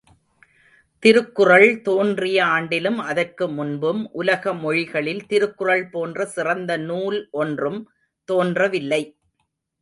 திருக்குறள் தோன்றிய ஆண்டிலும் அதற்கு முன்பும் உலக மொழிகளில் திருக்குறள் போன்ற சிறந்த நூல் ஒன்றும் தோன்றவில்லை.